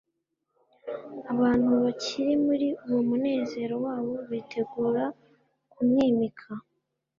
Abantu bakiri muri uwo munezero wabo bitegura kumwimika